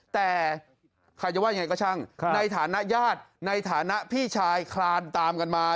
แต่ใครจะว่ายังไงก็ช่างในฐานะญาติในฐานะพี่ชายคลานตามกันมา